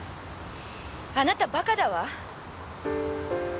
あなたバカだわ！